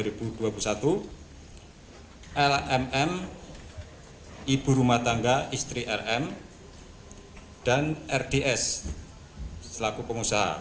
gubernur provinsi bengkulu tahun dua ribu enam belas dua ribu dua puluh satu lmm ibu rumah tangga istri rm dan rds selaku pengusaha